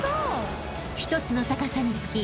［１つの高さにつき］